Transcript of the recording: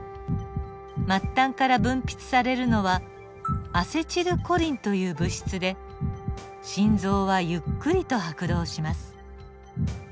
末端から分泌されるのはアセチルコリンという物質で心臓はゆっくりと拍動します。